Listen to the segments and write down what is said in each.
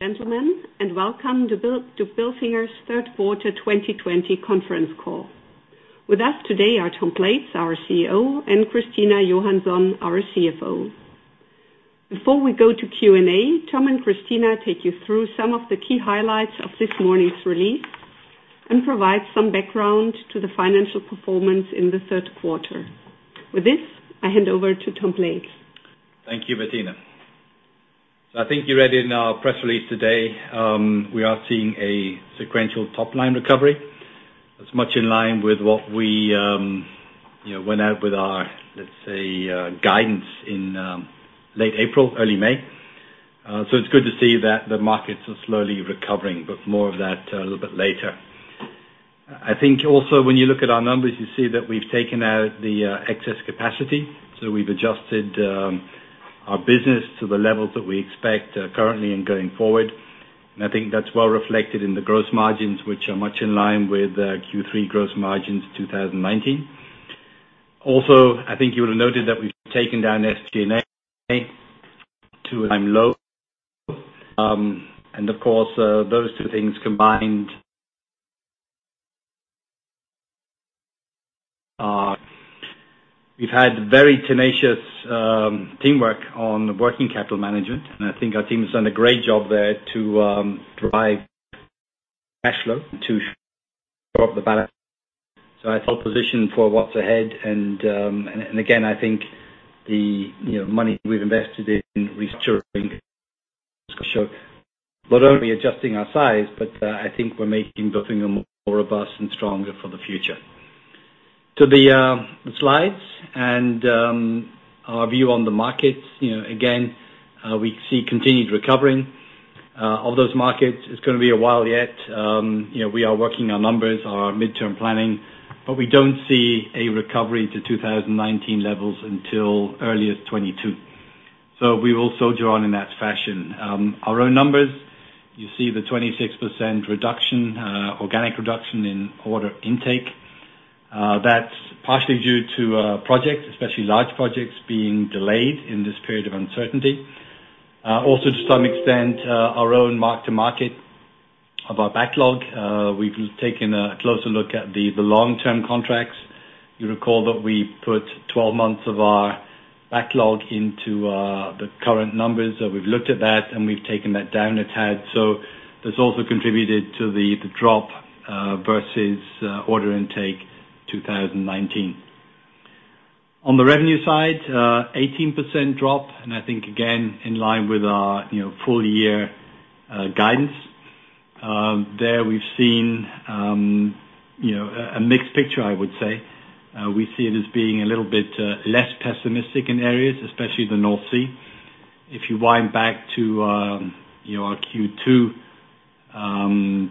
Gentlemen, welcome to Bilfinger's third quarter 2020 conference call. With us today are Tom Blades, our CEO, and Christina Johansson, our CFO. Before we go to Q&A, Tom and Christina take you through some of the key highlights of this morning's release and provide some background to the financial performance in the third quarter. With this, I hand over to Tom Blades. Thank you, Bettina. I think you read in our press release today, we are seeing a sequential top-line recovery. That's much in line with what we went out with our, let's say, guidance in late April, early May. It's good to see that the markets are slowly recovering, but more of that a little bit later. I think also when you look at our numbers, you see that we've taken out the excess capacity. We've adjusted our business to the levels that we expect currently and going forward. I think that's well reflected in the gross margins, which are much in line with Q3 gross margins 2019. Also, I think you would've noted that we've taken down SG&A to an low. Of course, those two things combined. We've had very tenacious teamwork on working capital management, I think our team has done a great job there to provide cash flow to the balance. I position for what's ahead. Again, I think the money we've invested in restructuring not only adjusting our size, but I think we're making Bilfinger more robust and stronger for the future. To the slides and our view on the markets. Again, we see continued recovering of those markets. It's gonna be a while yet. We are working our numbers, our midterm planning, we don't see a recovery to 2019 levels until early 2022. We will soldier on in that fashion. Our own numbers, you see the 26% organic reduction in order intake. That's partially due to projects, especially large projects, being delayed in this period of uncertainty. To some extent, our own mark to market of our backlog. We've taken a closer look at the long-term contracts. You recall that we put 12 months of our backlog into the current numbers. We've looked at that, and we've taken that down a tad. That's also contributed to the drop versus order intake 2019. On the revenue side, 18% drop, and I think, again, in line with our full year guidance. There we've seen a mixed picture, I would say. We see it as being a little bit less pessimistic in areas, especially the North Sea. If you wind back to our Q2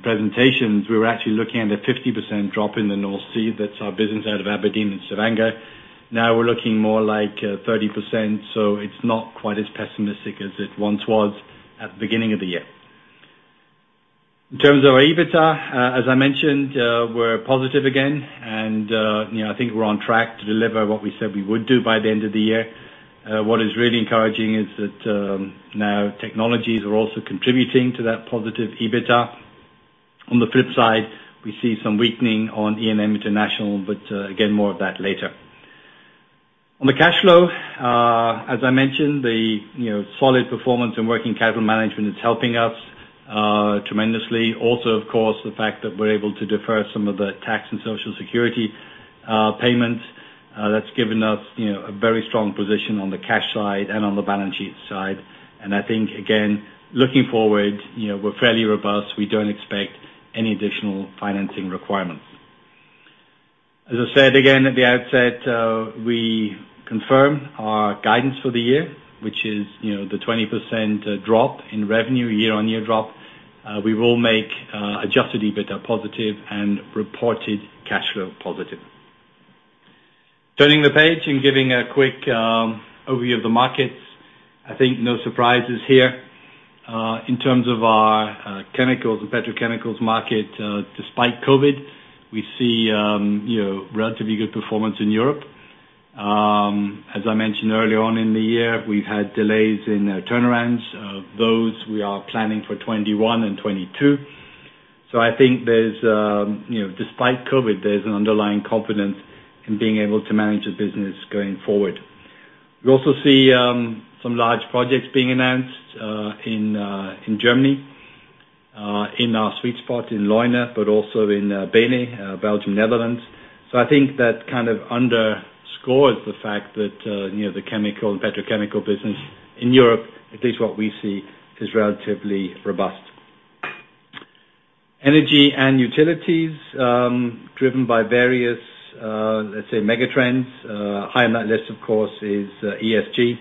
presentations, we were actually looking at a 50% drop in the North Sea. That's our business out of Aberdeen and Stavanger. Now we're looking more like 30%, so it's not quite as pessimistic as it once was at the beginning of the year. In terms of our EBITDA, as I mentioned, we're positive again, and I think we're on track to deliver what we said we would do by the end of the year. What is really encouraging is that now technologies are also contributing to that positive EBITDA. On the flip side, we see some weakening on E&M International but, again, more of that later. On the cash flow, as I mentioned, the solid performance and working capital management is helping us tremendously. Also, of course, the fact that we're able to defer some of the tax and social security payments, that's given us a very strong position on the cash side and on the balance sheet side. I think, again, looking forward, we're fairly robust. We don't expect any additional financing requirements. As I said again at the outset, we confirm our guidance for the year, which is the 20% drop in revenue, year-on-year drop. We will make adjusted EBITDA positive and reported cash flow positive. Turning the page and giving a quick overview of the markets. I think no surprises here. In terms of our chemicals and petrochemicals market, despite COVID, we see relatively good performance in Europe. As I mentioned early on in the year, we've had delays in turnarounds. Those we are planning for 2021 and 2022. I think despite COVID, there's an underlying confidence in being able to manage the business going forward. We also see some large projects being announced in Germany, in our sweet spot in Leuna, but also in BeNe, Belgium, Netherlands. I think that kind of underscores the fact that the chemical and petrochemical business in Europe, at least what we see, is relatively robust. Energy and utilities, driven by various, let's say, mega trends. High on that list, of course, is ESG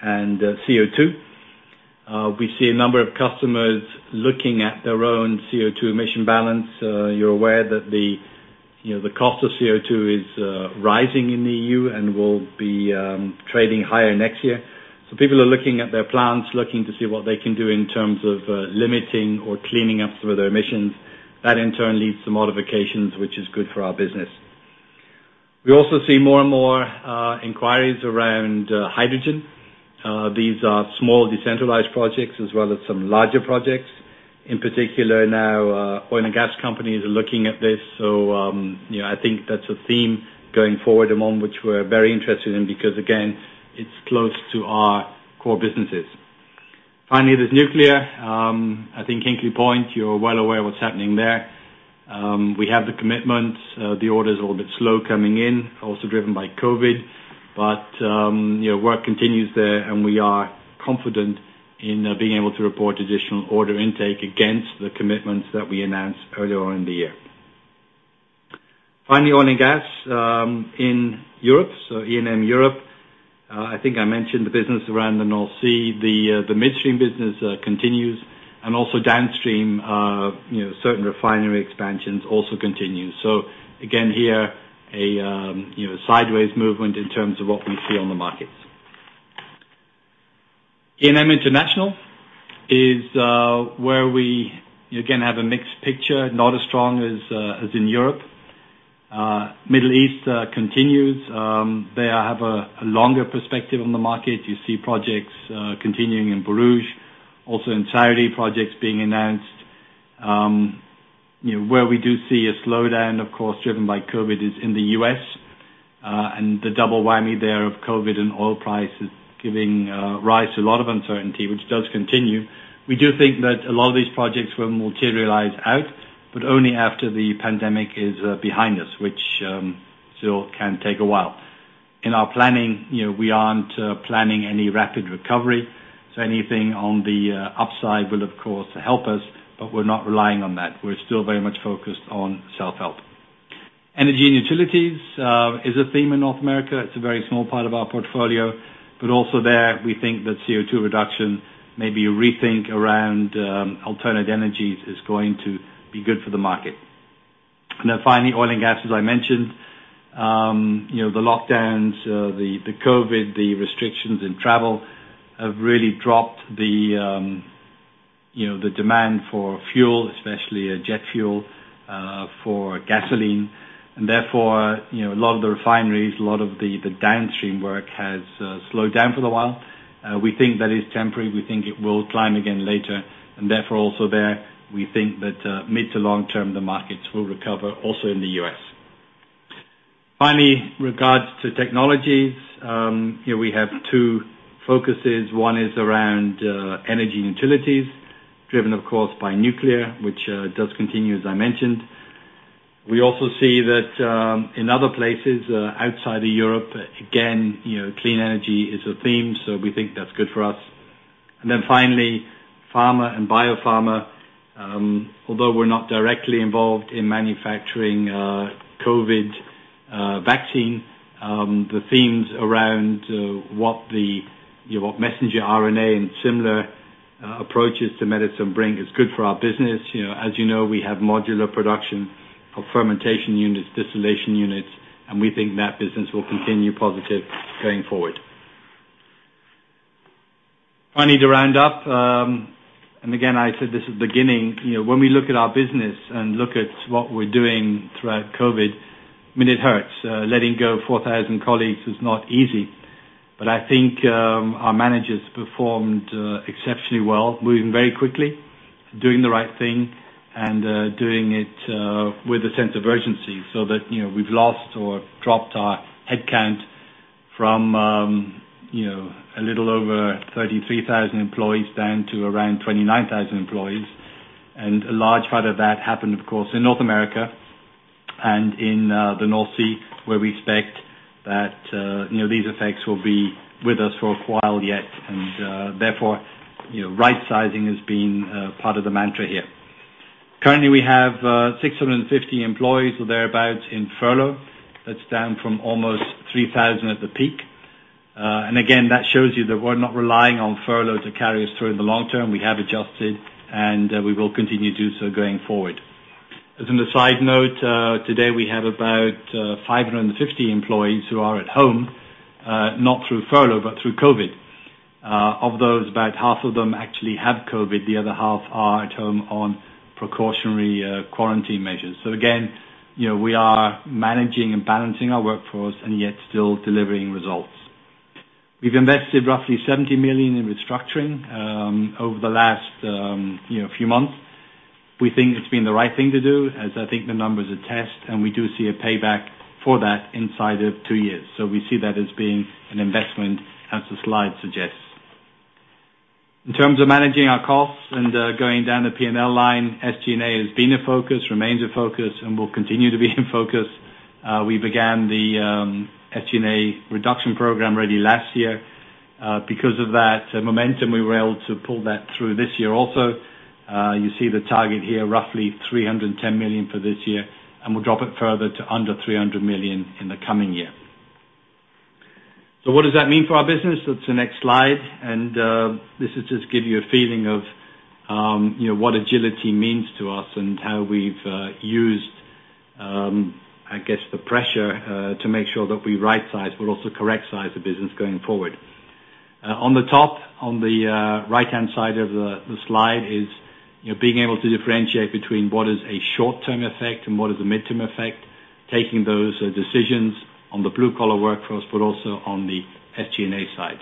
and CO2. We see a number of customers looking at their own CO2 emission balance. You're aware that the cost of CO2 is rising in the EU and will be trading higher next year. People are looking at their plants, looking to see what they can do in terms of limiting or cleaning up some of their emissions. That in turn leads to modifications, which is good for our business. We also see more and more inquiries around hydrogen. These are small decentralized projects as well as some larger projects. In particular now, oil and gas companies are looking at this. I think that's a theme going forward, and one which we're very interested in because, again, it's close to our core businesses. Finally, there's nuclear. I think Hinkley Point, you're well aware what's happening there. We have the commitment. The orders are a little bit slow coming in, also driven by COVID, but work continues there, and we are confident in being able to report additional order intake against the commitments that we announced earlier on in the year. Finally, oil and gas in Europe, so E&M Europe. I think I mentioned the business around the North Sea. The midstream business continues and also downstream, certain refinery expansions also continue. Again, here, a sideways movement in terms of what we see on the markets. E&M International is where we, again, have a mixed picture, not as strong as in Europe. Middle East continues. They have a longer perspective on the market. You see projects continuing in Borouge, also in Saudi, projects being announced. Where we do see a slowdown, of course, driven by COVID, is in the U.S. The double whammy there of COVID and oil prices giving rise to a lot of uncertainty, which does continue. We do think that a lot of these projects will materialize out, but only after the pandemic is behind us, which still can take a while. In our planning, we aren't planning any rapid recovery, so anything on the upside will, of course, help us, but we're not relying on that. We're still very much focused on self-help. Energy and utilities is a theme in North America. It's a very small part of our portfolio, but also there, we think that CO2 reduction, maybe a rethink around alternate energies is going to be good for the market. Finally, oil and gas, as I mentioned. The lockdowns, the COVID, the restrictions in travel have really dropped the demand for fuel, especially jet fuel, for gasoline, and therefore, a lot of the refineries, a lot of the downstream work has slowed down for a while. We think that is temporary. We think it will climb again later, and therefore, also there, we think that mid to long term, the markets will recover, also in the U.S. Finally, regards to technologies. Here we have two focuses. One is around energy and utilities, driven of course, by nuclear, which does continue, as I mentioned. We also see that in other places outside of Europe, again, clean energy is a theme, so we think that's good for us. Finally, pharma and biopharma. Although we're not directly involved in manufacturing COVID vaccine, the themes around what messenger RNA and similar approaches to medicine bring is good for our business. As you know, we have modular production of fermentation units, distillation units, and we think that business will continue positive going forward. Finally, to round up, and again, I said this at the beginning. When we look at our business and look at what we're doing throughout COVID, it hurts. Letting go of 4,000 colleagues is not easy. I think our managers performed exceptionally well, moving very quickly, doing the right thing, and doing it with a sense of urgency, so that we've lost or dropped our headcount from a little over 33,000 employees down to around 29,000 employees. A large part of that happened, of course, in North America and in the North Sea, where we expect that these effects will be with us for a while yet. Therefore, right-sizing has been part of the mantra here. Currently, we have 650 employees or thereabout in furlough. That's down from almost 3,000 at the peak. Again, that shows you that we're not relying on furlough to carry us through in the long term. We have adjusted, and we will continue to do so going forward. As in the side note, today we have about 550 employees who are at home, not through furlough, but through COVID. Of those, about half of them actually have COVID. The other half are at home on precautionary quarantine measures. Again, we are managing and balancing our workforce and yet still delivering results. We've invested roughly 70 million in restructuring over the last few months. We think it's been the right thing to do, as I think the numbers attest, and we do see a payback for that inside of two years. We see that as being an investment, as the slide suggests. In terms of managing our costs and going down the P&L line, SG&A has been a focus, remains a focus, and will continue to be in focus. We began the SG&A reduction program really last year. Because of that momentum, we were able to pull that through this year also. You see the target here, roughly 310 million for this year, and we'll drop it further to under 300 million in the coming year. What does that mean for our business? That's the next slide. This is just to give you a feeling of what agility means to us and how we've used, I guess, the pressure to make sure that we right-size, but also correct size the business going forward. On the top, on the right-hand side of the slide is being able to differentiate between what is a short-term effect and what is a midterm effect, taking those decisions on the blue-collar workforce, but also on the SG&A side.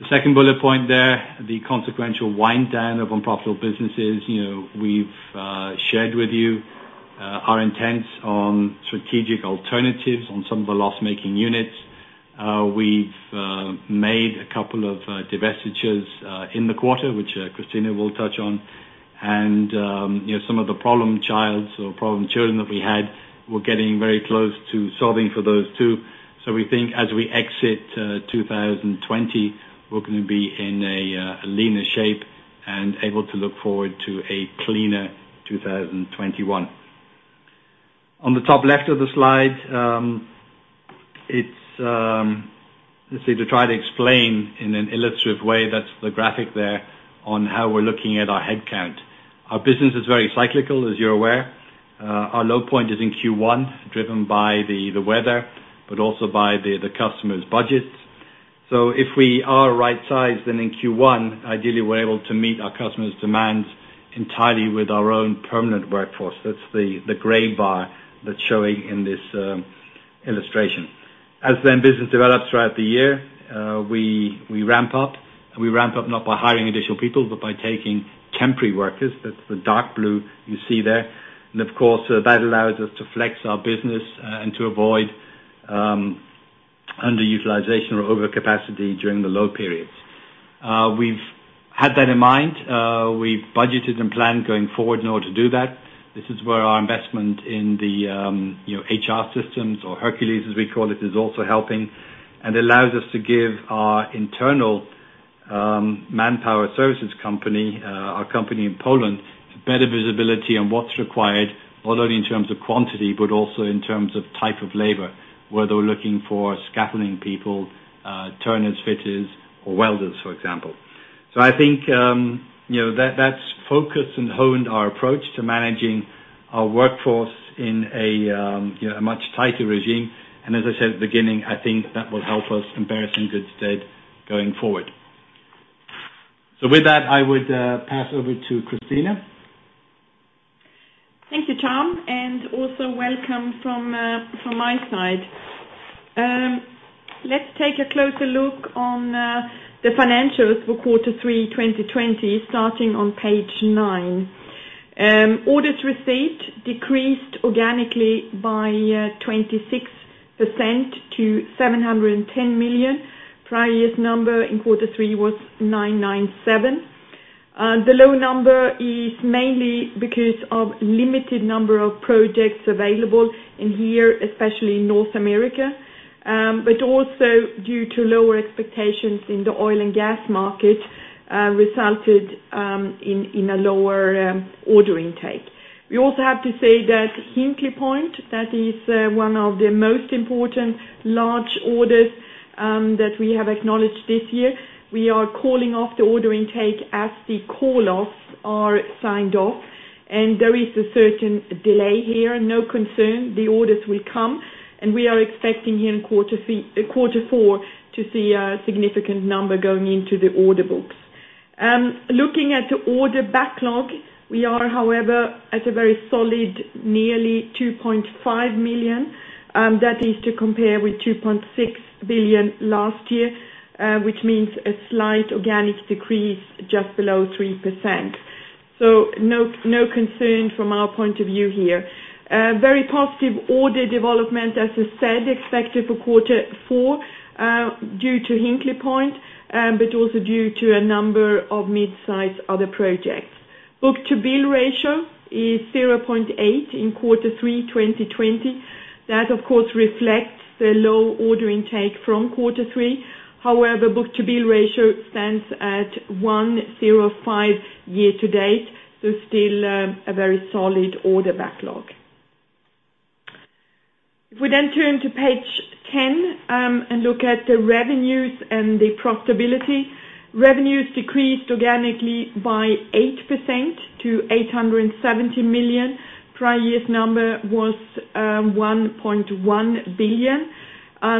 The second bullet point there, the consequential wind down of unprofitable businesses. We've shared with you our intents on strategic alternatives on some of the loss-making units. We've made a couple of divestitures in the quarter, which Christina will touch on. Some of the problem children that we had, we're getting very close to solving for those, too. We think as we exit 2020, we're going to be in a leaner shape and able to look forward to a cleaner 2021. On the top left of the slide, let's see, to try to explain in an illustrative way, that's the graphic there, on how we're looking at our headcount. Our business is very cyclical, as you're aware. Our low point is in Q1, driven by the weather, but also by the customer's budgets. If we are right-sized, then in Q1, ideally, we're able to meet our customer's demands entirely with our own permanent workforce. That's the gray bar that's showing in this illustration. Business develops throughout the year, we ramp up. We ramp up not by hiring additional people, but by taking temporary workers. That's the dark blue you see there. Of course, that allows us to flex our business, and to avoid underutilization or overcapacity during the low periods. We've had that in mind. We've budgeted and planned going forward in order to do that. This is where our investment in the HR systems or HRcules, as we call it, is also helping. Allows us to give our internal manpower services company, our company in Poland, better visibility on what's required, not only in terms of quantity, but also in terms of type of labor, whether we're looking for scaffolding people, turners, fitters, or welders, for example. I think that's focused and honed our approach to managing our workforce in a much tighter regime. As I said at the beginning, I think that will help us embarrassingly good stead going forward. With that, I would pass over to Christina. Thank you, Tom, and also welcome from my side. Let's take a closer look on the financials for quarter three 2020, starting on page nine. Orders received decreased organically by 26% to 710 million. Prior year's number in Q3 was 997. The low number is mainly because of limited number of projects available in here, especially in North America. Also due to lower expectations in the oil and gas market, resulted in a lower order intake. We also have to say that Hinkley Point, that is one of the most important large orders that we have acknowledged this year. We are calling off the order intake as the call-offs are signed off, and there is a certain delay here. No concern, the orders will come, and we are expecting here in Q4 to see a significant number going into the order books. Looking at the order backlog, we are, however, at a very solid, nearly 2.5 billion. That is to compare with 2.6 billion last year. Means a slight organic decrease just below 3%. No concern from our point of view here. Very positive order development, as I said, expected for quarter four, due to Hinkley Point. Also due to a number of mid-size other projects. Book-to-bill ratio is 0.8 in quarter three 2020. That, of course, reflects the low order intake from quarter three. However, Book-to-bill ratio stands at 105 year to date, still a very solid order backlog. If we then turn to page 10, and look at the revenues and the profitability. Revenues decreased organically by 8% to 870 million. Prior year's number was 1.1 billion.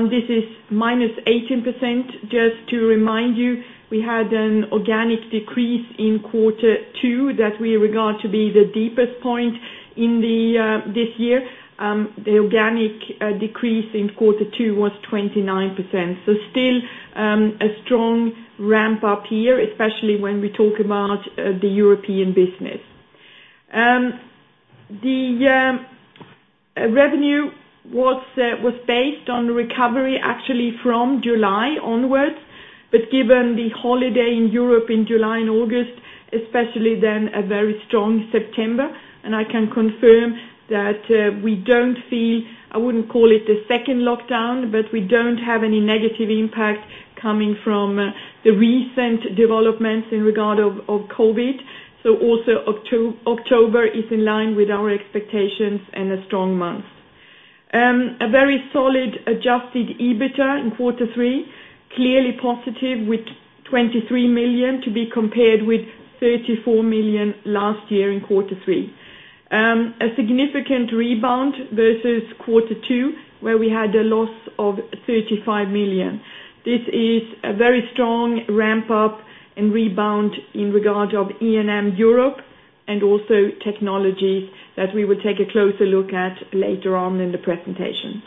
This is minus 18%. Just to remind you, we had an organic decrease in Q2 that we regard to be the deepest point this year. The organic decrease in quarter two was 29%. Still, a strong ramp-up here, especially when we talk about the European business. The revenue was based on recovery actually from July onwards, but given the holiday in Europe in July and August, especially then a very strong September. I can confirm that we don't feel, I wouldn't call it a second lockdown, but we don't have any negative impact coming from the recent developments in regard of COVID. Also October is in line with our expectations and a strong month. A very solid adjusted EBITDA in quarter three. Clearly positive with 23 million to be compared with 34 million last year in quarter three. A significant rebound versus quarter two, where we had a loss of 35 million. This is a very strong ramp-up and rebound in regard of E&M Europe and also technologies that we will take a closer look at later on in the presentation.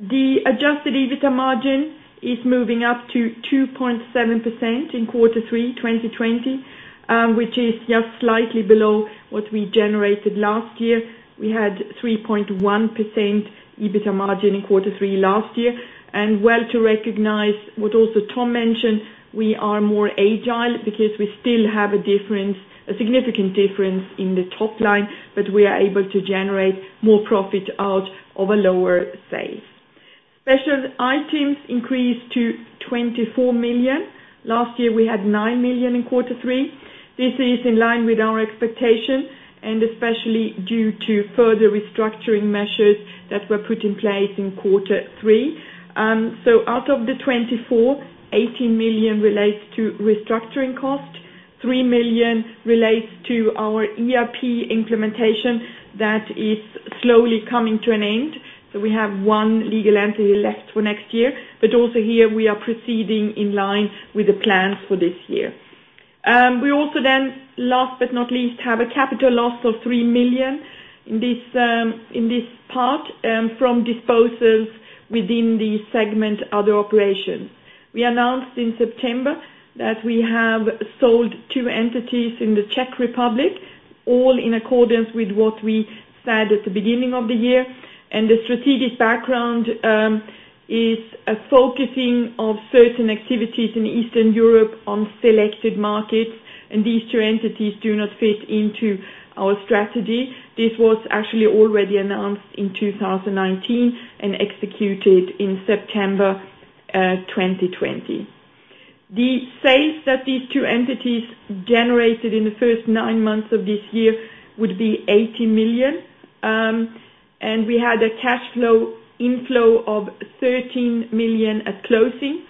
The adjusted EBITA margin is moving up to 2.7% in Q3 2020, which is just slightly below what we generated last year. We had 3.1% EBITA margin in quarter three last year. To recognize what also Tom mentioned, we are more agile because we still have a significant difference in the top line, but we are able to generate more profit out of a lower sale. Special items increased to 24 million. Last year we had 9 million in quarter three. This is in line with our expectation and especially due to further restructuring measures that were put in place in quarter three. Out of the 24 million, 18 million relates to restructuring cost, 3 million relates to our ERP implementation that is slowly coming to an end. We have one legal entity left for next year, also here we are proceeding in line with the plans for this year. We also, last but not least, have a capital loss of 3 million in this part from disposals within the segment Other Operations. We announced in September that we have sold two entities in the Czech Republic, all in accordance with what we said at the beginning of the year. The strategic background is a focusing of certain activities in Eastern Europe on selected markets, these two entities do not fit into our strategy. This was actually already announced in 2019 and executed in September 2020. The sales that these two entities generated in the first nine months of this year would be 80 million. We had a cash flow inflow of 13 million at closing.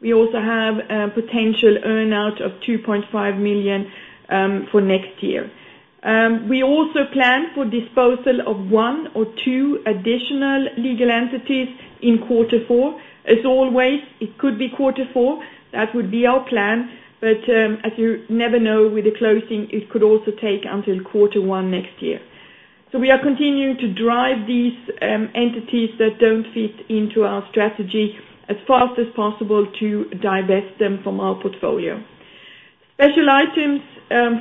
We also have a potential earn-out of 2.5 million for next year. We also plan for disposal of one or two additional legal entities in quarter four. As always, it could be quarter four. That would be our plan, but, as you never know with the closing, it could also take until quarter one next year. We are continuing to drive these entities that don't fit into our strategy as fast as possible to divest them from our portfolio. Special items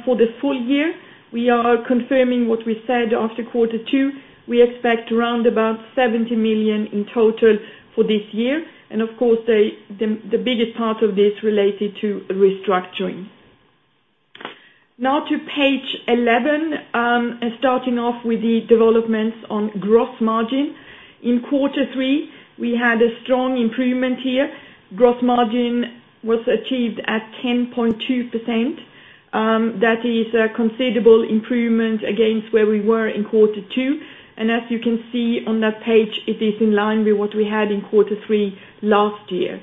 for the full year, we are confirming what we said after quarter two. We expect around about 70 million in total for this year. Of course, the biggest part of this related to restructuring. To page 11, starting off with the developments on gross margin. In quarter three, we had a strong improvement here. Gross margin was achieved at 10.2%. That is a considerable improvement against where we were in quarter two. As you can see on that page, it is in line with what we had in quarter three last year.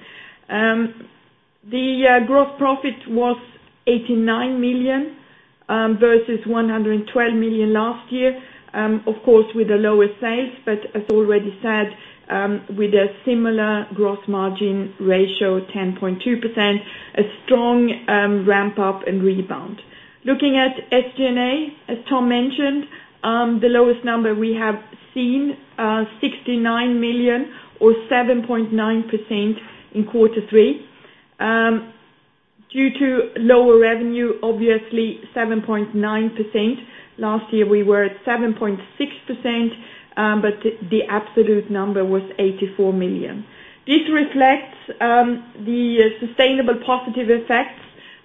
The gross profit was 89 million, versus 112 million last year, of course, with the lower sales. As already said, with a similar gross margin ratio, 10.2%, a strong ramp-up and rebound. Looking at SG&A, as Tom mentioned, the lowest number we have seen, 69 million or 7.9% in quarter three. Due to lower revenue, obviously 7.9%. Last year we were at 7.6%, the absolute number was 84 million. This reflects the sustainable positive effects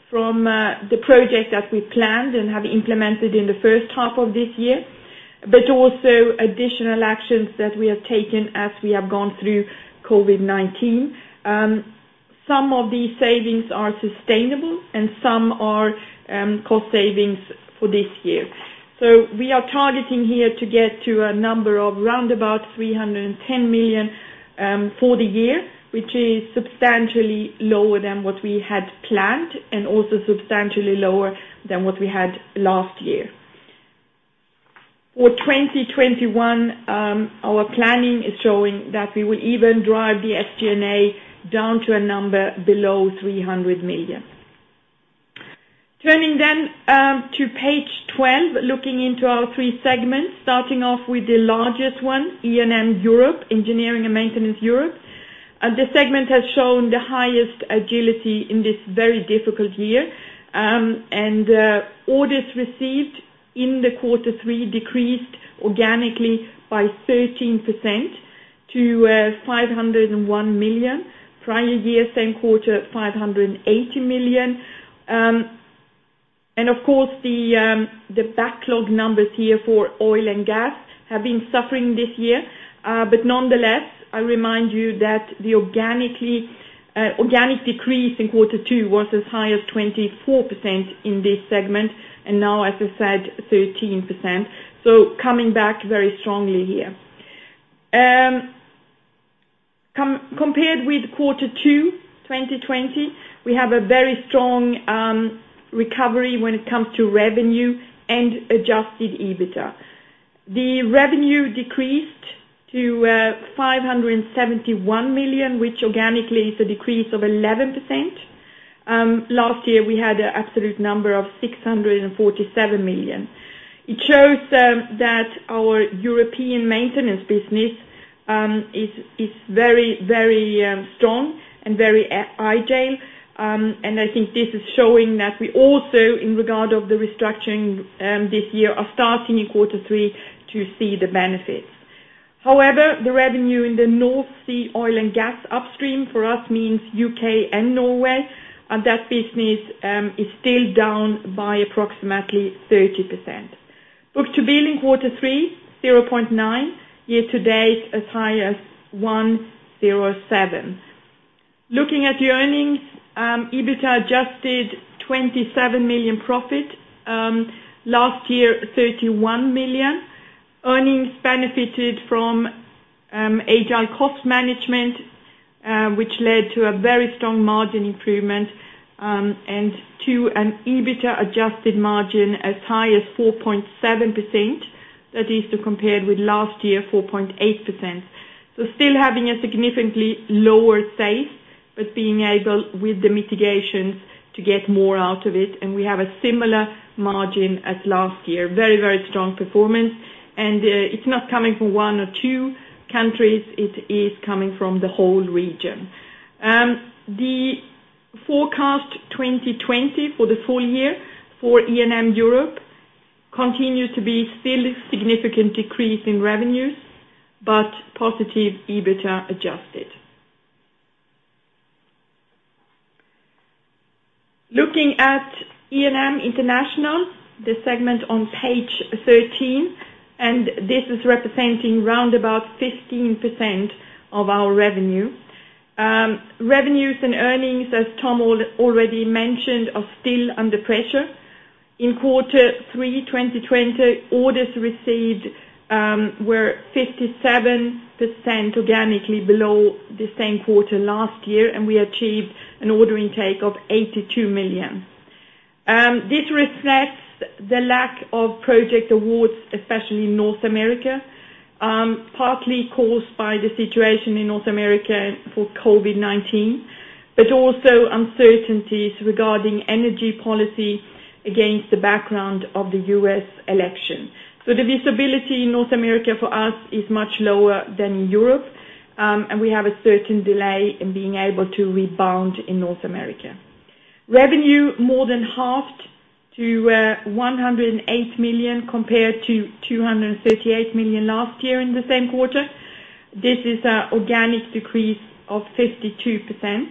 from the project that we planned and have implemented in the first half of this year, but also additional actions that we have taken as we have gone through COVID-19. Some of these savings are sustainable and some are cost savings for this year. We are targeting here to get to a number of around about 310 million for the year, which is substantially lower than what we had planned and also substantially lower than what we had last year. For 2021, our planning is showing that we will even drive the SG&A down to a number below 300 million. Turning to page 12, looking into our three segments, starting off with the largest one, E&M Europe, Engineering & Maintenance Europe. The segment has shown the highest agility in this very difficult year. Orders received in the quarter three decreased organically by 13% to 501 million. Prior year, same quarter, 580 million. Of course, the backlog numbers here for oil and gas have been suffering this year. Nonetheless, I remind you that the organic decrease in quarter two was as high as 24% in this segment, and now, as I said, 13%. Coming back very strongly here. Compared with quarter two 2020, we have a very strong recovery when it comes to revenue and adjusted EBITA. The revenue decreased to 571 million, which organically is a decrease of 11%. Last year we had an absolute number of 647 million. It shows that our European maintenance business is very strong and very agile. I think this is showing that we also, in regard of the restructuring this year, are starting in quarter three to see the benefits. However, the revenue in the North Sea oil and gas upstream for us means U.K. and Norway, and that business is still down by approximately 30%. Book-to-billing quarter three, 0.9. Year-to-date, as high as 107. Looking at the earnings, EBITA adjusted 27 million profit. Last year, 31 million. Earnings benefited from agile cost management, which led to a very strong margin improvement, and to an EBITA adjusted margin as high as 4.7%. That is to compare with last year, 4.8%. Still having a significantly lower sales, but being able, with the mitigations, to get more out of it. We have a similar margin as last year. Very strong performance. It's not coming from one or two countries. It is coming from the whole region. The forecast 2020 for the full year for E&M Europe continues to be still a significant decrease in revenues, but positive EBITA adjusted. Looking at E&M International, the segment on page 13, and this is representing round about 15% of our revenue. Revenues and earnings, as Tom already mentioned, are still under pressure. In quarter three 2020, orders received were 57% organically below the same quarter last year, and we achieved an order intake of 82 million. This reflects the lack of project awards, especially in North America, partly caused by the situation in North America for COVID, but also uncertainties regarding energy policy against the background of the U.S. election. The visibility in North America for us is much lower than in Europe, and we have a certain delay in being able to rebound in North America. Revenue more than halved to 108 million compared to 238 million last year in the same quarter. This is an organic decrease of 52%,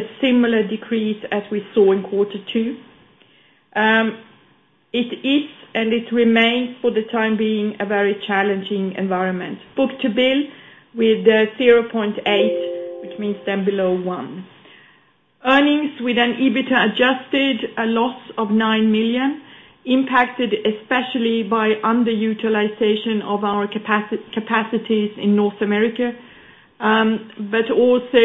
a similar decrease as we saw in quarter two. It is and it remains, for the time being, a very challenging environment. Book-to-bill with 0.8, which means below one. Earnings with an EBITA adjusted a loss of 9 million, impacted especially by underutilization of our capacities in North America. Also,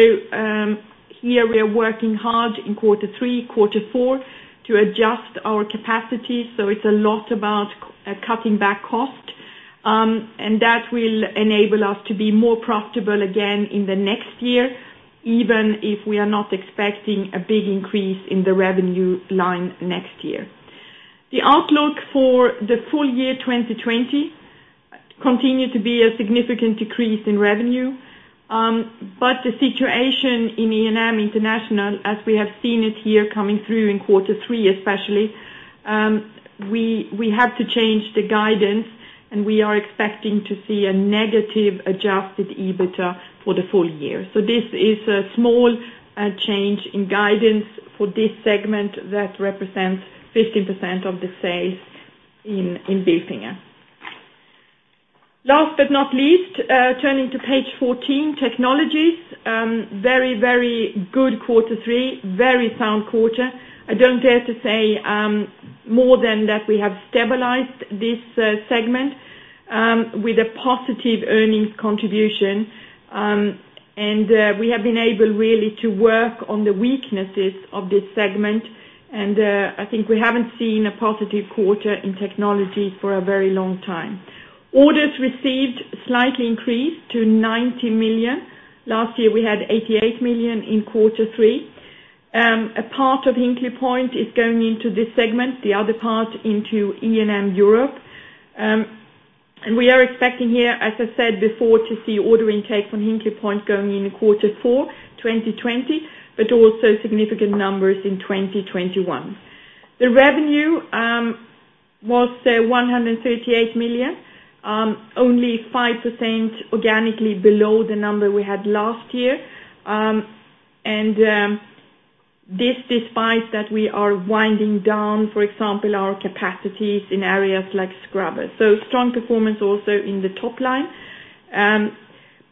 here we are working hard in quarter three, quarter four, to adjust our capacity. It's a lot about cutting back cost. That will enable us to be more profitable again in the next year, even if we are not expecting a big increase in the revenue line next year. The outlook for the full year 2020 continued to be a significant decrease in revenue. The situation in E&M International, as we have seen it here coming through in quarter three, especially, we had to change the guidance, and we are expecting to see a negative adjusted EBITA for the full year. This is a small change in guidance for this segment that represents 15% of the sales in Bilfinger. Last but not least, turning to page 14, technologies. Very good quarter three. Very sound quarter. I don't dare to say more than that we have stabilized this segment with a positive earnings contribution. We have been able really to work on the weaknesses of this segment. I think we haven't seen a positive quarter in technology for a very long time. Orders received slightly increased to 90 million. Last year, we had 88 million in quarter three. A part of Hinkley Point is going into this segment, the other part into E&M Europe. We are expecting here, as I said before, to see order intake from Hinkley Point going into quarter four 2020, but also significant numbers in 2021. The revenue was 138 million, only 5% organically below the number we had last year. This, despite that we are winding down, for example, our capacities in areas like scrubbers. Strong performance also in the top line.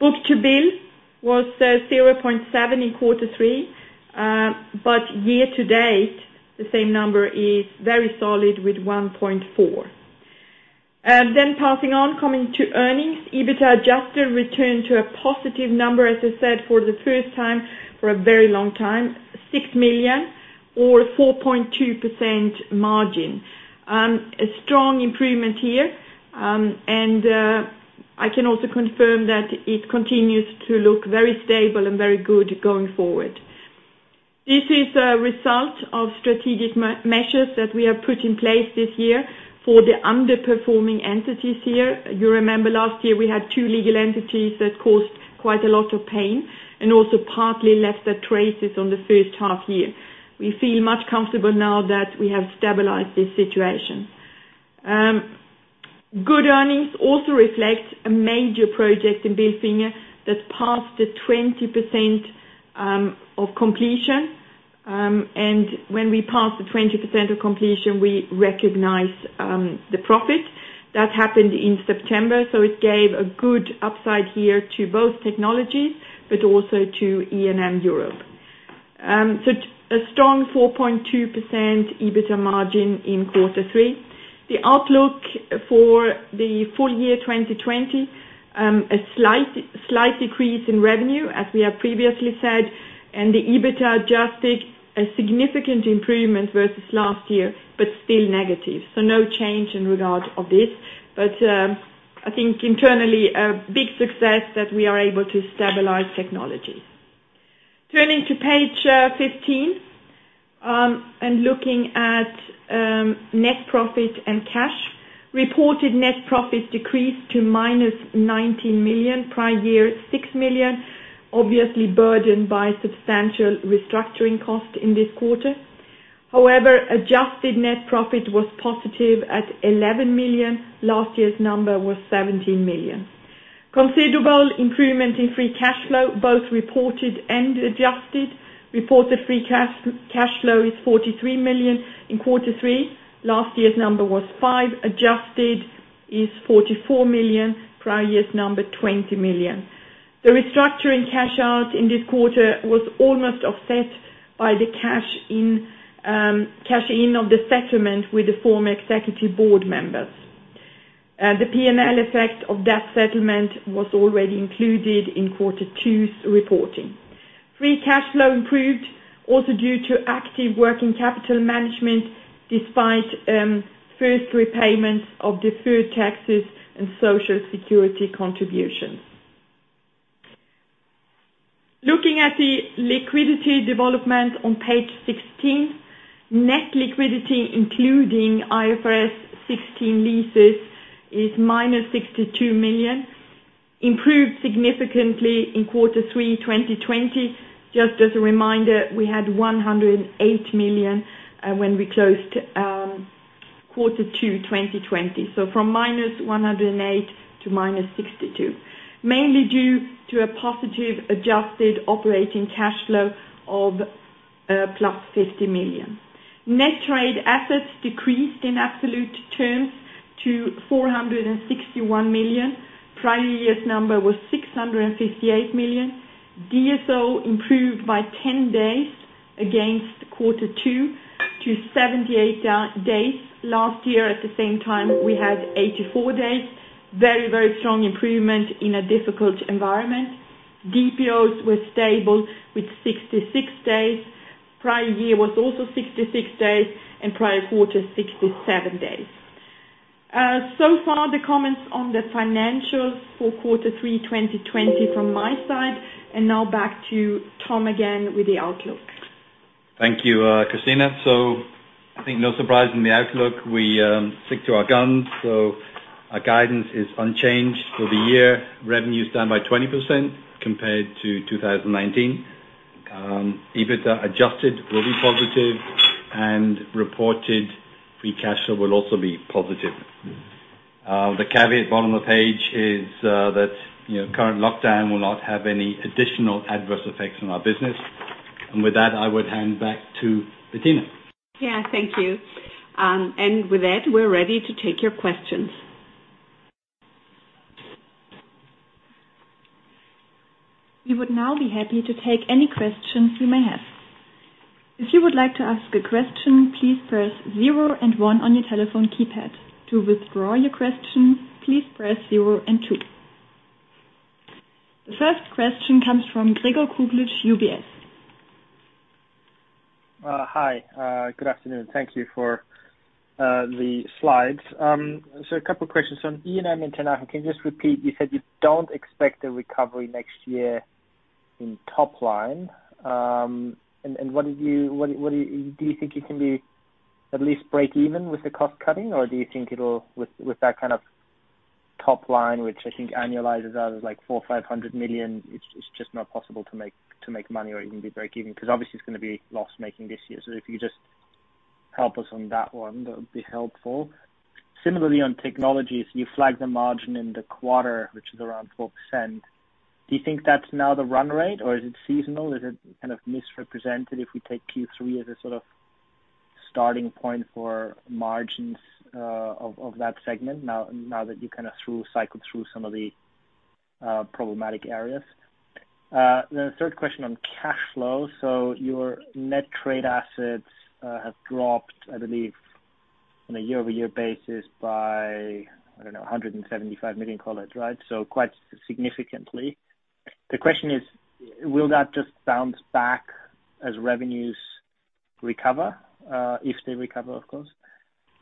Book-to-bill was 0.7 in quarter three. Year-to-date, the same number is very solid with 1.4. Then passing on, coming to earnings. EBITDA adjusted returned to a positive number, as I said, for the first time for a very long time, 6 million or 4.2% margin. A strong improvement here, and I can also confirm that it continues to look very stable and very good going forward. This is a result of strategic measures that we have put in place this year for the underperforming entities here. You remember last year we had two legal entities that caused quite a lot of pain and also partly left their traces on the first half year. We feel much comfortable now that we have stabilized this situation. Good earnings also reflect a major project in Bilfinger that passed the 20% of completion. When we pass the 20% of completion, we recognize the profit. That happened in September, it gave a good upside here to both technologies, also to E&M Europe. A strong 4.2% EBITA margin in Q3. The outlook for the full year 2020, a slight decrease in revenue as we have previously said, the EBITA adjusted, a significant improvement versus last year, still negative. No change in regard of this. I think internally, a big success that we are able to stabilize technology. Turning to page 15, looking at net profit and cash. Reported net profit decreased to minus 19 million, prior year 6 million, obviously burdened by substantial restructuring cost in this quarter. However, adjusted net profit was positive at 11 million. Last year's number was 17 million. Considerable improvement in free cash flow, both reported and adjusted. Reported free cash flow is 43 million in quarter three. Last year's number was 5 million. Adjusted is 44 million, prior year's number 20 million. The restructuring cash out in this quarter was almost offset by the cash in of the settlement with the former executive board members. The P&L effect of that settlement was already included in quarter two's reporting. Free cash flow improved also due to active working capital management despite first repayments of deferred taxes and social security contributions. Looking at the liquidity development on page 16. Net liquidity, including IFRS 16 leases, is minus 62 million, improved significantly in quarter three 2020. Just as a reminder, we had 108 million, when we closed quarter two 2020. From minus 108 million to minus 62 million, mainly due to a positive adjusted operating cash flow of, plus 50 million. Net trade assets decreased in absolute terms to 461 million. Prior year's number was 658 million. DSO improved by 10 days against quarter two to 78 days. Last year at the same time, we had 84 days. Very, very strong improvement in a difficult environment. DPOs were stable with 66 days. Prior year was also 66 days, and prior quarter, 67 days. So far the comments on the financials for quarter three 2020 from my side. Now back to Tom again with the outlook. Thank you, Christina. I think no surprise in the outlook. We stick to our guns. Our guidance is unchanged for the year. Revenue is down by 20% compared to 2019. EBITDA adjusted will be positive and reported free cash flow will also be positive. The caveat bottom of page is that current lockdown will not have any additional adverse effects on our business. With that, I would hand back to Bettina. Yeah, thank you. With that, we're ready to take your questions. We would now be happy to take any questions you may have. If you would like to ask a question, please press zero and one on your telephone keypad. To withdraw your question, please press zero and two. The first question comes from Gregor Kuglitsch, UBS. Hi. Good afternoon. Thank you for the slides. A couple questions on E&M International. Can you just repeat, you said you don't expect a recovery next year in top line. Do you think you can be at least break even with the cost cutting, or do you think with that kind of top line, which I think annualizes out as like 400 million or 500 million, it's just not possible to make money or even be break even? Obviously it's going to be loss-making this year. If you could just help us on that one, that would be helpful. Similarly on technologies, you flagged the margin in the quarter, which is around 4%. Do you think that's now the run rate or is it seasonal? Is it kind of misrepresented if we take Q3 as a sort of starting point for margins of that segment now that you kind of cycled through some of the problematic areas. The third question on cash flow. Your net trade assets have dropped, I believe, on a year-over-year basis by, I don't know, $175 million, right? Quite significantly. The question is, will that just bounce back as revenues recover, if they recover, of course?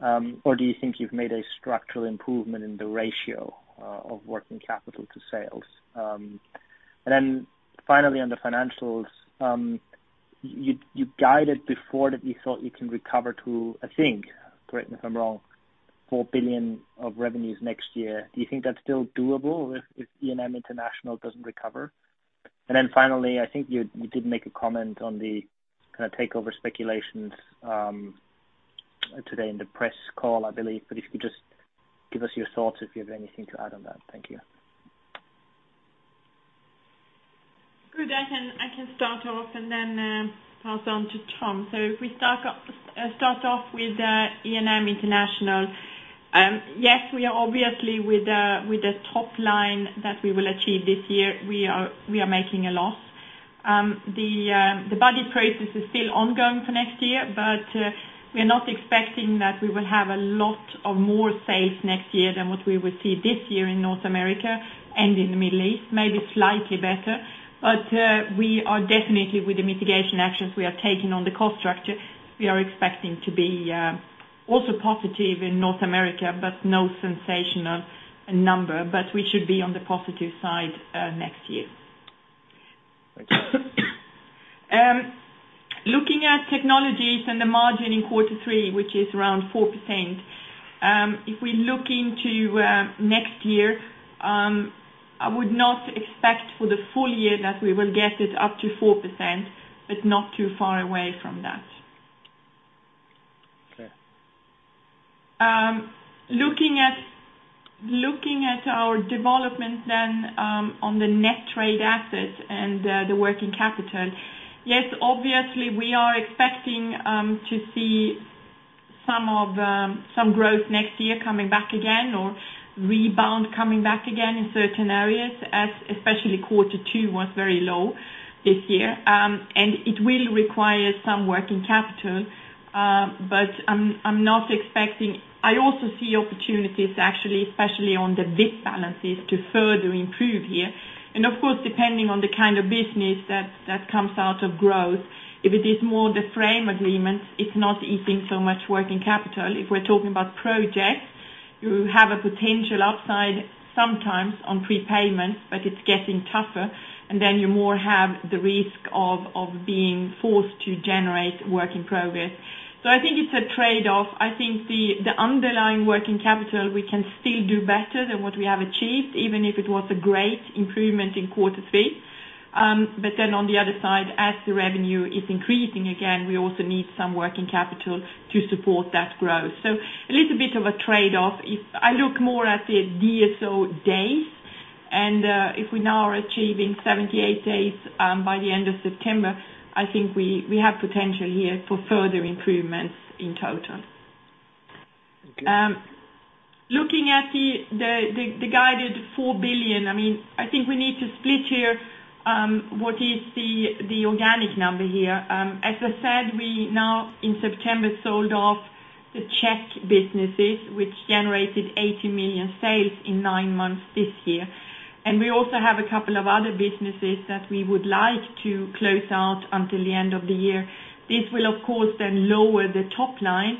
Do you think you've made a structural improvement in the ratio of working capital to sales? Finally, on the financials, you guided before that you thought you can recover to, I think, correct me if I'm wrong, 4 billion of revenues next year. Do you think that's still doable if E&M International doesn't recover? Finally, I think you did make a comment on the kind of takeover speculations today in the press call, I believe. If you could just give us your thoughts if you have anything to add on that. Thank you. Good. I can start off and then pass on to Tom. If we start off with E&M International. Yes, we are obviously with the top line that we will achieve this year, we are making a loss. The budget process is still ongoing for next year, but we are not expecting that we will have a lot of more sales next year than what we will see this year in North America and in the Middle East. Maybe slightly better. We are definitely with the mitigation actions we are taking on the cost structure, we are expecting to be also positive in North America, but no sensational number. We should be on the positive side next year. Thank you. Looking at technologies and the margin in quarter three, which is around 4%. If we look into next year, I would not expect for the full year that we will get it up to 4%, but not too far away from that. Okay. Looking at our development on the net trade assets and the working capital. Yes, obviously we are expecting to see some growth next year coming back again or rebound coming back again in certain areas, as especially Q2 was very low this year. It will require some working capital. I also see opportunities actually, especially on the unbilled balances to further improve here. Of course, depending on the kind of business that comes out of growth, if it is more the frame agreements, it's not eating so much working capital. If we're talking about projects, you have a potential upside sometimes on prepayments, but it's getting tougher, and then you more have the risk of being forced to generate work in progress. I think it's a trade-off. I think the underlying working capital, we can still do better than what we have achieved, even if it was a great improvement in quarter three. On the other side, as the revenue is increasing again, we also need some working capital to support that growth. A little bit of a trade-off. I look more at the DSO days, and if we now are achieving 78 days by the end of September, I think we have potential here for further improvements in total. Okay. Looking at the guided 4 billion, I think we need to split here, what is the organic number here. As I said, we now in September, sold off the Czech businesses, which generated 80 million sales in nine months this year. We also have a couple of other businesses that we would like to close out until the end of the year. This will, of course, then lower the top line.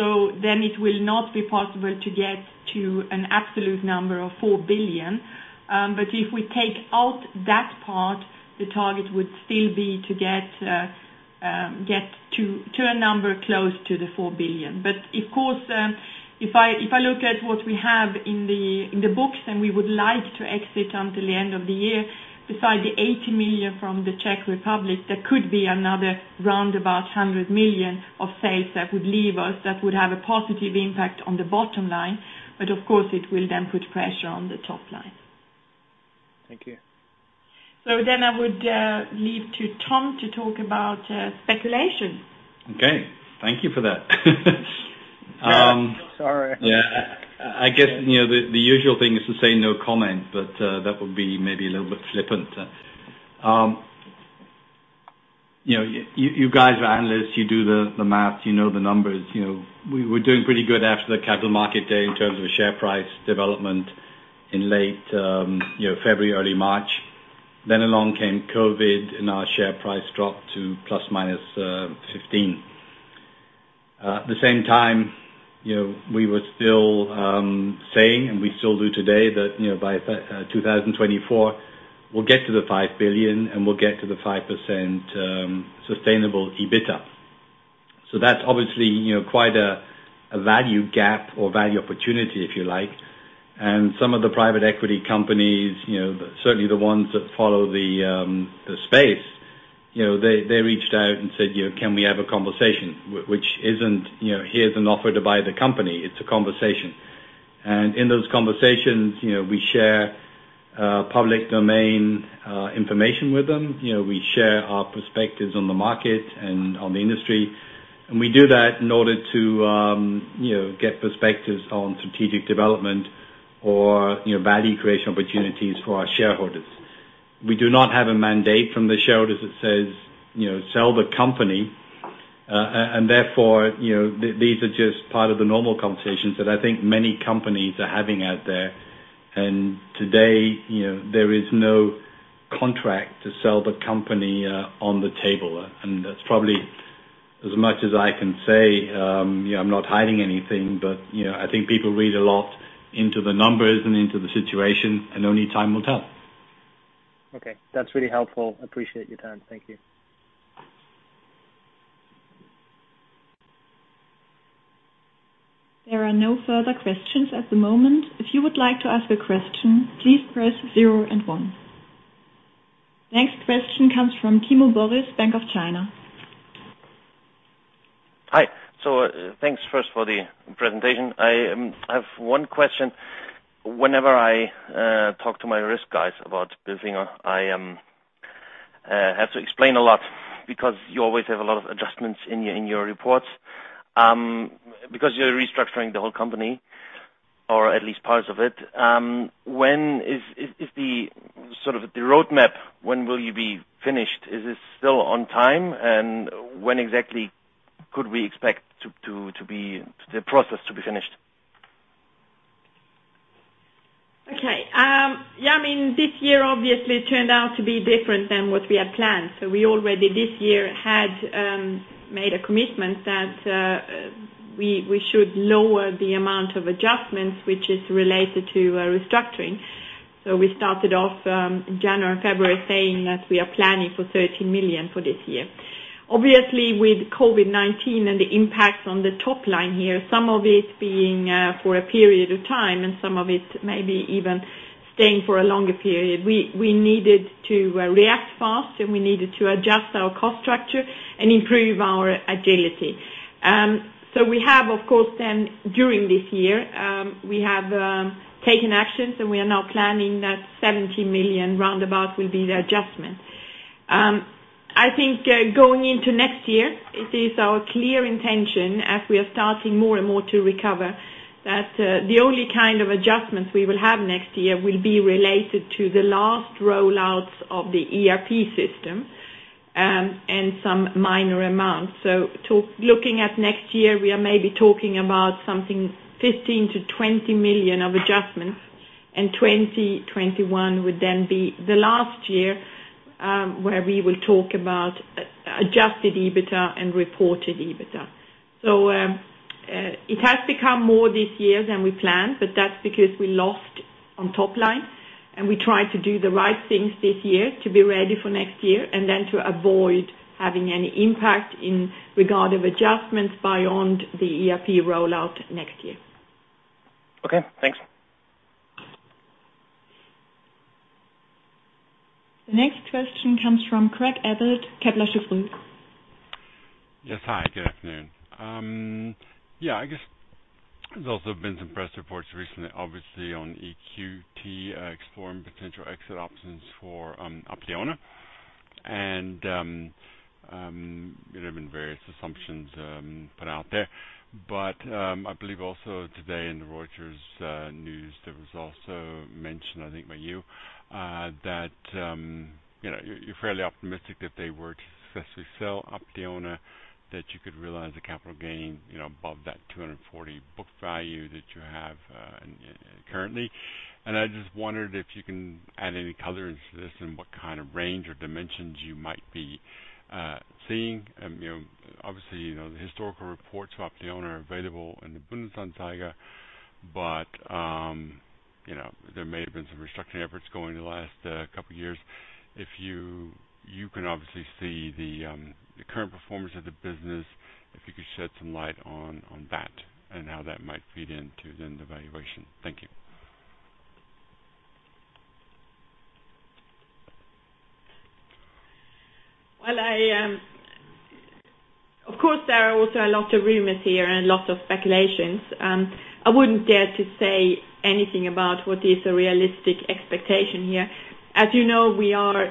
It will not be possible to get to an absolute number of 4 billion. If we take out that part, the target would still be to get to a number close to the 4 billion. Of course, if I look at what we have in the books, then we would like to exit until the end of the year. Besides the 80 million from the Czech Republic, there could be another roundabout 100 million of sales that would leave us, that would have a positive impact on the bottom line. Of course, it will then put pressure on the top line. Thank you. I would leave to Tom to talk about speculation. Okay. Thank you for that. Sorry. Yeah. I guess the usual thing is to say no comment, but that would be maybe a little bit flippant. You guys are analysts, you do the math, you know the numbers. We were doing pretty good after the capital market day in terms of share price development in late February, early March. Along came COVID, and our share price dropped to ±15. At the same time, we were still saying, and we still do today, that by 2024, we'll get to the 5 billion, and we'll get to the 5% sustainable EBITDA. That's obviously quite a value gap or value opportunity, if you like. Some of the private equity companies, certainly the ones that follow the space, they reached out and said, "Can we have a conversation?" Which isn't, "Here's an offer to buy the company." It's a conversation. In those conversations, we share public domain information with them. We share our perspectives on the market and on the industry. We do that in order to get perspectives on strategic development or value creation opportunities for our shareholders. We do not have a mandate from the shareholders that says, "Sell the company." Therefore, these are just part of the normal conversations that I think many companies are having out there. Today, there is no contract to sell the company on the table. That's probably as much as I can say. I'm not hiding anything, but I think people read a lot into the numbers and into the situation, and only time will tell. Okay. That's really helpful. Appreciate your time. Thank you. There are no further questions at the moment. If you would like to ask a question, please press zero and one. Next question comes from Timo Boris, Bank of China. Hi. Thanks first for the presentation. I have one question. Whenever I talk to my risk guys about Bilfinger, I have to explain a lot because you always have a lot of adjustments in your reports. You're restructuring the whole company, or at least parts of it. The roadmap, when will you be finished? Is it still on time? When exactly could we expect the process to be finished? Okay. Yeah, this year obviously turned out to be different than what we had planned. We already this year had made a commitment that we should lower the amount of adjustments which is related to restructuring. We started off in January, February saying that we are planning for 30 million for this year. Obviously, with COVID-19 and the impacts on the top line here, some of it being for a period of time and some of it maybe even staying for a longer period. We needed to react fast, and we needed to adjust our cost structure and improve our agility. We have, of course, then during this year, we have taken actions, and we are now planning that 70 million roundabout will be the adjustment. I think going into next year, it is our clear intention as we are starting more and more to recover, that the only kind of adjustments we will have next year will be related to the last roll-outs of the ERP system, and some minor amounts. Looking at next year, we are maybe talking about something 15 million-20 million of adjustments, and 2021 would then be the last year, where we will talk about adjusted EBITA and reported EBITA. It has become more this year than we planned, but that's because we lost on top line, and we tried to do the right things this year to be ready for next year, and then to avoid having any impact in regard of adjustments beyond the ERP rollout next year. Okay, thanks. The next question comes from Craig Abbott, Kepler Cheuvreux. Yes. Hi, good afternoon. I guess there's also been some press reports recently, obviously on EQT exploring potential exit options for Apleona. There have been various assumptions put out there. I believe also today in the Reuters, there was also mention, I think by you, that you're fairly optimistic if they were to successfully sell Apleona, that you could realize a capital gain above that 240 book value that you have currently. I just wondered if you can add any color into this and what kind of range or dimensions you might be seeing. Obviously, the historical reports for Apleona are available in the Bundesanzeiger, there may have been some restructuring efforts going the last couple of years. You can obviously see the current performance of the business, if you could shed some light on that and how that might feed into then the valuation. Thank you. Of course, there are also a lot of rumors here and lots of speculations. I wouldn't dare to say anything about what is a realistic expectation here. As you know, we are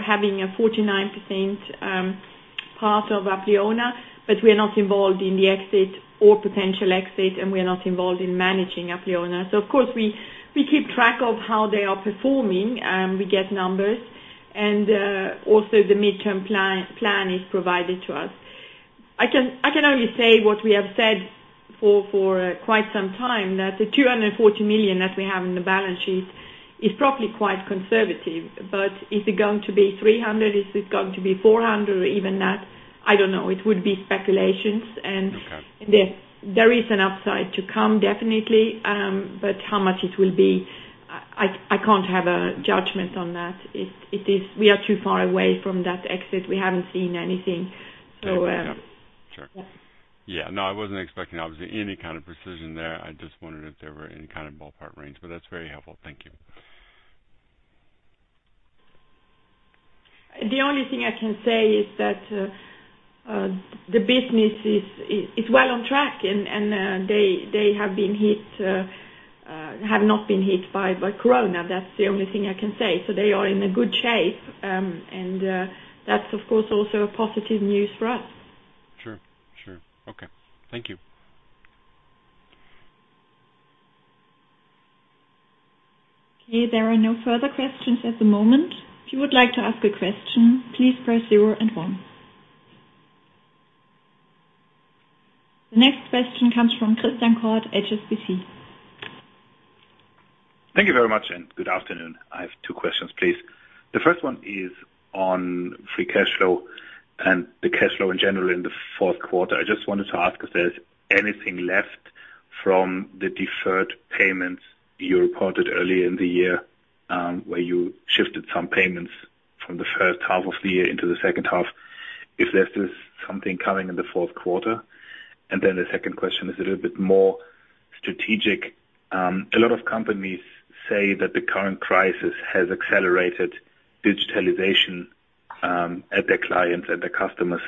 having a 49% part of Apleona, but we are not involved in the exit or potential exit, and we are not involved in managing Apleona. Of course, we keep track of how they are performing. We get numbers and also the midterm plan is provided to us. I can only say what we have said for quite some time, that the 240 million that we have on the balance sheet is probably quite conservative. Is it going to be 300? Is it going to be 400 or even that? I don't know. It would be speculations. Okay. There is an upside to come, definitely. How much it will be, I can't have a judgment on that. We are too far away from that exit. We haven't seen anything. Okay. Yeah. Sure. Yeah. Yeah. No, I wasn't expecting, obviously, any kind of precision there. I just wondered if there were any kind of ballpark range. That's very helpful. Thank you. The only thing I can say is that the business is well on track, and they have not been hit by corona. That's the only thing I can say. They are in a good shape, and that's of course, also a positive news for us. Sure. Okay. Thank you. Okay, there are no further questions at the moment. If you would like to ask a question, please press zero and one. The next question comes from Christian Korth, HSBC. Thank you very much. Good afternoon. I have two questions, please. The first one is on free cash flow and the cash flow in general in the fourth quarter. I just wanted to ask if there's anything left from the deferred payments you reported earlier in the year, where you shifted some payments from the first half of the year into the second half, if there's something coming in the fourth quarter. The second question is a little bit more strategic. A lot of companies say that the current crisis has accelerated digitalization at their clients and their customers.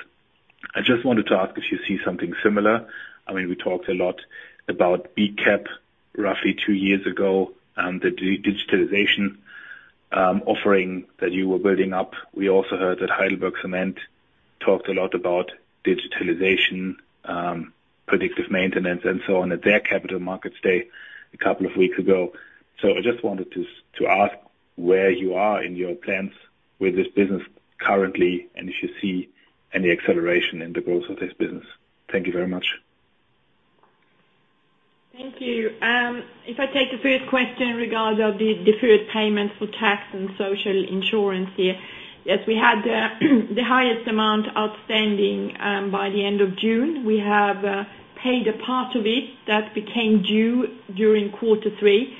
I just wanted to ask if you see something similar. We talked a lot about BCAP, roughly two years ago, the digitalization offering that you were building up. We also heard that HeidelbergCement talked a lot about digitalization, predictive maintenance, and so on at their Capital Markets Day a couple of weeks ago. I just wanted to ask where you are in your plans with this business currently, and if you see any acceleration in the growth of this business. Thank you very much. Thank you. If I take the first question in regards of the deferred payments for tax and social insurance here. Yes, we had the highest amount outstanding by the end of June. We have paid a part of it that became due during quarter three.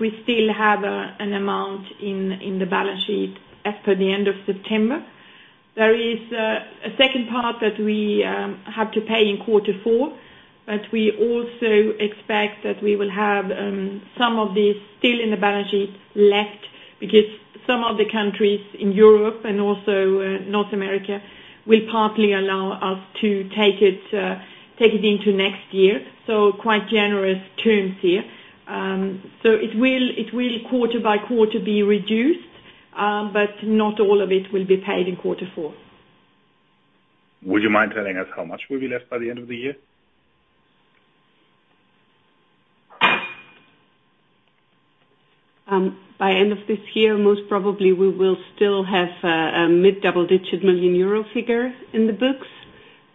We still have an amount in the balance sheet as per the end of September. There is a second part that we have to pay in quarter four, but we also expect that we will have some of this still in the balance sheet left, because some of the countries in Europe and also North America, will partly allow us to take it into next year. Quite generous terms here. It will quarter by quarter be reduced, but not all of it will be paid in quarter four. Would you mind telling us how much will be left by the end of the year? By end of this year, most probably we will still have a mid double-digit million EUR figure in the books.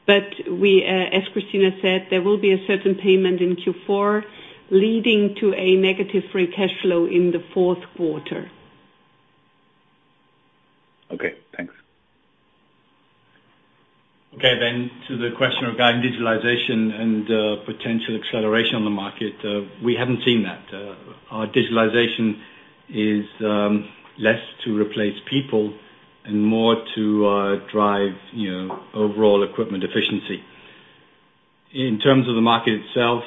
As Christina said, there will be a certain payment in Q4, leading to a negative free cash flow in the fourth quarter. Okay, thanks. To the question regarding digitalization and potential acceleration on the market. We haven't seen that. Our digitalization is less to replace people and more to drive overall equipment efficiency. In terms of the market itself,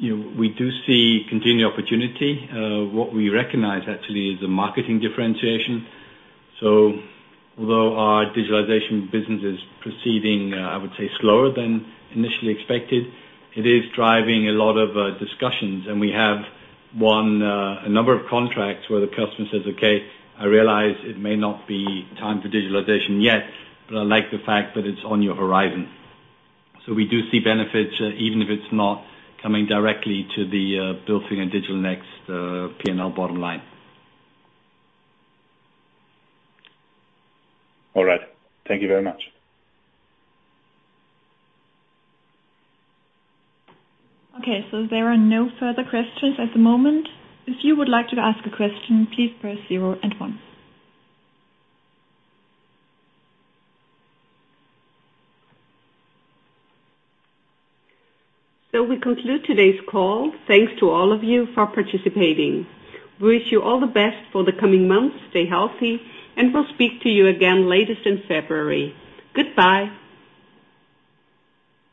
we do see continued opportunity. What we recognize actually is a marketing differentiation. Although our digitalization business is proceeding, I would say slower than initially expected, it is driving a lot of discussions, and we have won a number of contracts where the customer says, "Okay, I realize it may not be time for digitalization yet, but I like the fact that it's on your horizon." We do see benefits, even if it's not coming directly to the Bilfinger Digital Next P&L bottom line. All right. Thank you very much. Okay, there are no further questions at the moment. If you would like to ask a question, please press zero and one. We conclude today's call. Thanks to all of you for participating. We wish you all the best for the coming months. Stay healthy, and we will speak to you again latest in February. Goodbye.